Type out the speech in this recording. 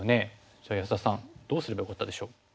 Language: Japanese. じゃあ安田さんどうすればよかったでしょう？